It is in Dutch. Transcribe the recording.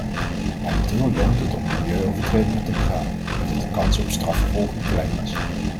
Momenteel loont het om milieuovertredingen te begaan, omdat de kans op strafvervolging klein is.